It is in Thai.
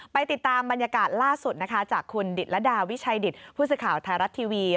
ไปติดตามบรรยากาศล่าสุดนะคะจากคุณดิตรดาวิชัยดิตผู้สื่อข่าวไทยรัฐทีวี